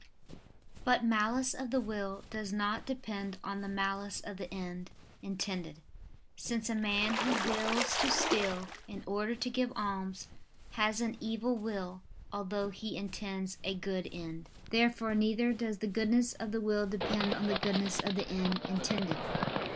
But malice of the will does not depend on the malice of the end intended; since a man who wills to steal in order to give alms, has an evil will, although he intends a good end. Therefore neither does the goodness of the will depend on the goodness of the end intended.